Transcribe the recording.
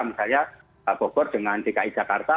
misalnya bogor dengan dki jakarta